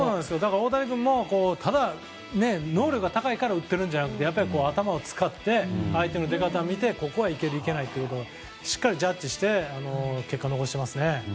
大谷君もただ能力が高いから打ってるんじゃなくて頭を使って相手の出方を見てここはいける、いけないってしっかりジャッジして結果を残してますね。